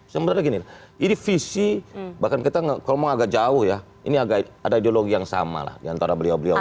sebenarnya gini ini visi bahkan kita kalau mau agak jauh ya ini agak ada ideologi yang sama lah diantara beliau beliau ini